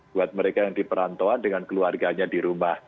buat mereka yang di perantauan dengan keluarganya di rumah